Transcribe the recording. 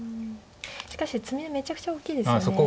しかしツメめちゃくちゃ大きいですよね。